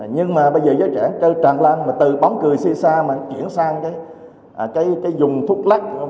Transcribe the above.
nhưng mà bây giờ giới trẻ tràn lan mà từ bóng cười si sa mà chuyển sang cái dùng thuốc lắc